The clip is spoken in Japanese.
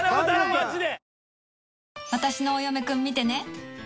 マジで。